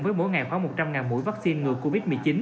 với mỗi ngày khoảng một trăm linh mũi vaccine ngừa covid một mươi chín